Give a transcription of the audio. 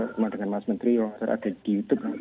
sama dengan mas menteri wawancara ada di youtube